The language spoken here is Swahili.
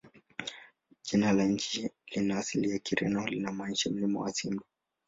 Jina la nchi lina asili ya Kireno na linamaanisha "Mlima wa Simba".